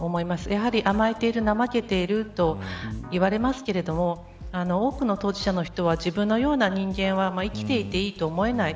やはり、甘えているなまけているといわれますけれども多くの当事者の人は自分のような人間は生きていていいと思えない。